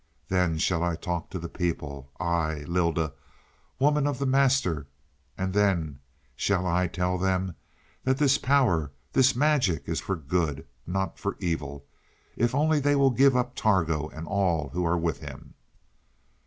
Then shall I talk to the people I, Lylda woman of the Master, and then shall I tell them that this power, this magic, is for good, not for evil, if only they will give up Targo and all who are with him."